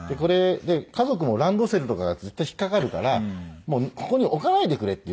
家族もランドセルとかがずっと引っかかるから「もうここに置かないでくれ」って言ったんですよ。